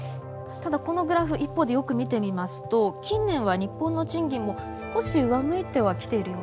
ただこのグラフ一方でよく見てみますと近年日本の賃金も少し上向いてはきているようですね。